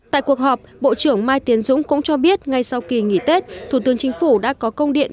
tại cuộc họp bộ trưởng mai tiến dũng cũng cho biết ngay sau kỳ nghỉ tết thủ tướng chính phủ đã có công điện